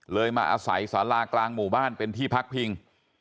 มาอาศัยสารากลางหมู่บ้านเป็นที่พักพิง